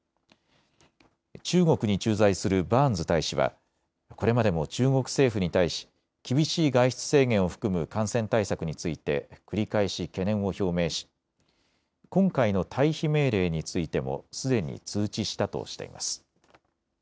中国に駐在するバーンズ大使はこれまでも中国政府に対し、厳しい外出制限を含む感染対策について繰り返し懸念を表明し今回の退避命令についてもすでに通知したとしています。